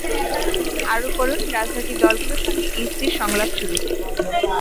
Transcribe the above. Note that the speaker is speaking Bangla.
অারও পড়ুন রাজনৈতিক দলগুলোর সঙ্গে ইসির সংলাপ শুরু